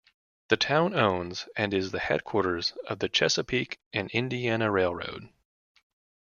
The town owns and is the headquarters of the Chesapeake and Indiana Railroad.